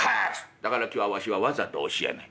だから今日はわしはわざと教えない。